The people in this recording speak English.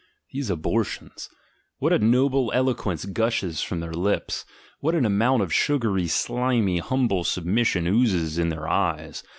These abortions! what a noble eloquence gushes from their lips! What an amount of sugary, slimy, humble submission oozes in their eyes!